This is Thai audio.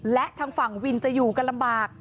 และทางฝั่งวินจะอยู่กันลำบาก